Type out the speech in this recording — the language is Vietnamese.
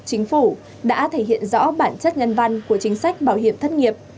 chính phủ đã thể hiện rõ bản chất nhân văn của chính sách bảo hiểm thất nghiệp